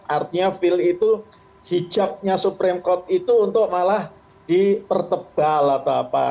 artinya feel itu hijabnya supreme court itu untuk malah dipertebal atau apa